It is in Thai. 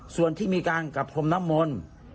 ส่วนที่มีการกระพรมน้ำมน